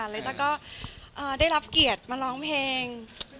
แล้วก็ได้รับเกียรติมาร้องเพลง